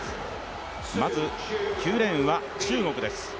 まず９レーンは中国です。